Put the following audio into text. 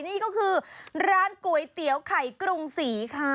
นี่ก็คือร้านก๋วยเตี๋ยวไข่กรุงศรีค่ะ